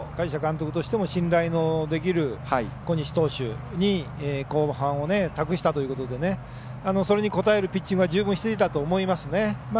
督としても信頼のできる小西投手に後半を託したということでそれに応えるピッチングは十分していたと思いますね。